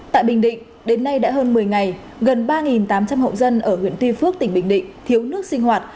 tại bình định đến nay đã hơn một mươi ngày gần ba tám trăm linh hộ dân ở huyện tuy phước tỉnh bình định thiếu nước sinh hoạt